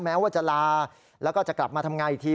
แม้ว่าจะลาแล้วก็จะกลับมาทำงานอีกที